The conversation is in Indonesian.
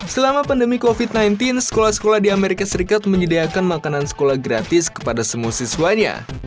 selama pandemi covid sembilan belas sekolah sekolah di amerika serikat menyediakan makanan sekolah gratis kepada semua siswanya